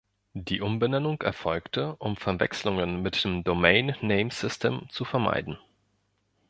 Die Umbenennung erfolgte, um Verwechselungen mit dem Domain Name System zu vermeiden.